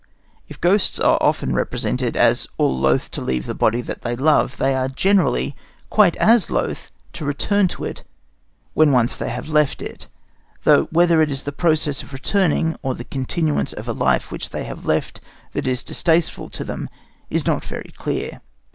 If ghosts are often represented as "all loath to leave the body that they love," they are generally quite as loath to return to it, when once they have left it, though whether it is the process of returning or the continuance of a life which they have left that is distasteful to them is not very clear.